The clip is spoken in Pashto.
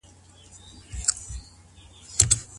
دا حکم پر نارينه او ښځو دواړو اطلاق کيږي؟